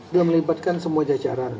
dan melibatkan semua jajaran